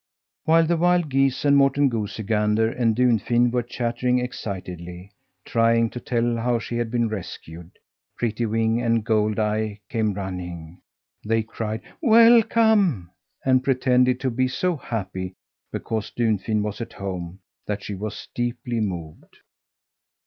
While the wild geese and Morten Goosey Gander and Dunfin were chattering excitedly, trying to tell how she had been rescued, Prettywing and Goldeye came running. They cried "welcome" and pretended to be so happy because Dunfin was at home that she was deeply moved.